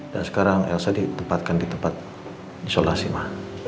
dan sekarang elsa ditempatkan di tempat isolasi ma